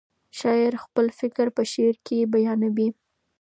شاعر خپل فکر په شعر کې بیانوي.